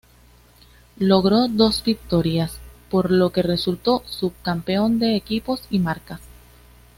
Logró dos victorias, por lo que resultó subcampeón de equipos y marcas.